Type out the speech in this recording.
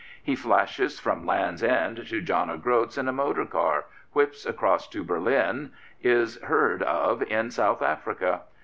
He flashes from Land's End to John o' Groat's in a motor car, whips across to Berlin, is heard of in South Africa.